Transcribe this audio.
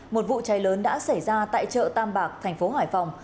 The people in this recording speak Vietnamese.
một vụ cháy lớn đã xảy ra tại chợ tam bạc thành phố hải phòng